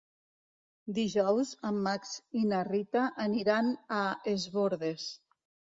Dijous en Max i na Rita aniran a Es Bòrdes.